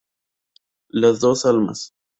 Las dos almas